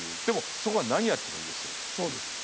でもそこは何やってもいいですよっていう。